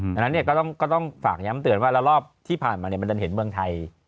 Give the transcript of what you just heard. ฉะนั้นเนี่ยก็ต้องฝากย้ำเตือนว่าละรอบที่ผ่านมาเนี่ยมันจะเห็นเมืองไทย